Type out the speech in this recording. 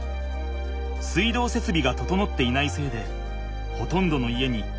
水道設備が整っていないせいでほとんどの家にトイレはない。